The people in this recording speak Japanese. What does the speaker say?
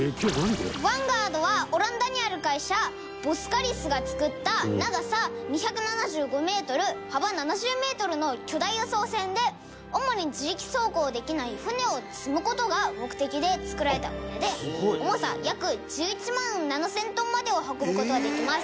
「ヴァンガードはオランダにある会社Ｂｏｓｋａｌｉｓが造った長さ２７５メートル幅７０メートルの巨大輸送船で主に自力走行できない船を積む事が目的で造られた船で重さ約１１万７０００トンまでを運ぶ事ができます」